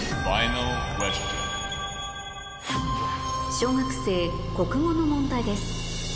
小学生国語の問題です